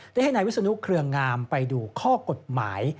ให้นายวิศนุเครืองามไปดูข้อกฎหมาย